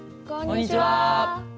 こんにちは！